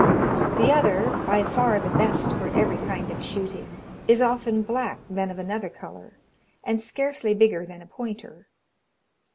The other, by far the best for every kind of shooting, is oftener black than of another colour, and scarcely bigger than a pointer.